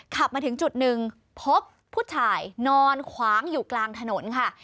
ขับมาถึงจุดหนึ่งพบผู้ชายนอนขวางอยู่กลางถนนค่ะ